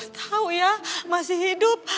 tau ya masih hidup